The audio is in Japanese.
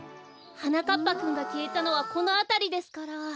はなかっぱくんがきえたのはこのあたりですから。